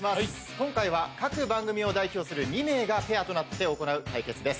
今回は各番組を代表する２名がペアとなって行う対決です。